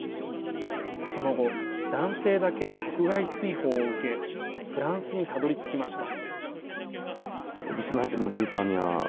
その後、男性だけ国外追放を受けフランスにたどりつきました。